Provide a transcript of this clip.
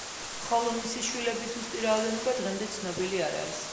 ხოლო მისი შვილების ზუსტი რაოდენობა დღემდე ცნობილი არ არის.